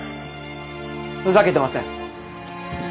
ふざけてません。